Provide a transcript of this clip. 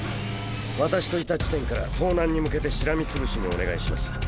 私といた地点から東南に向けてしらみつぶしにお願いします。